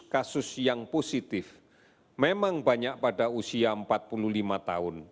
kasus yang positif memang banyak pada usia empat puluh lima tahun